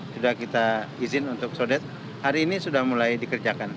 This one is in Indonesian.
sudah kita izin untuk sodet hari ini sudah mulai dikerjakan